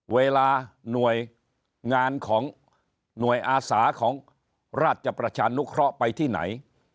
เวลาหน่วยงานของหน่วยอาสาของราชประชานุเคราะห์ไปที่ไหน